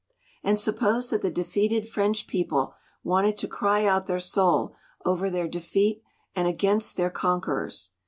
"And suppose that the defeated French people wanted to cry out their soul over their defeat and against their conquerors.